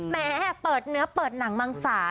แม้เปิดเนื้อเปิดหนังมังสา